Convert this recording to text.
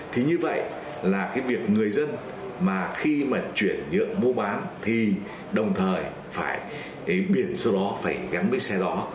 thì như vậy là cái việc người dân mà khi mà chuyển nhượng mua bán thì đồng thời phải cái biển số đó phải gắn với xe đó